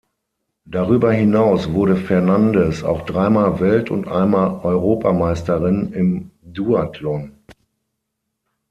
Darüber hinaus wurde Fernandes auch dreimal Welt- und einmal Europameisterin im Duathlon.